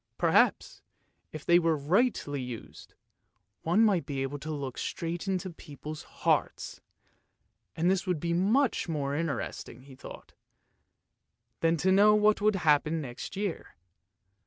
Perhaps, if they were rightly used, one might be able to look straight into people's hearts, and this would be much more interesting, he thought, than to know what would happen next year.